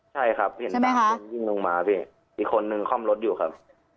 ใช่ครับเห็นบางคนวิ่งลงมาพี่อีกคนนึงคล่อมรถอยู่ครับ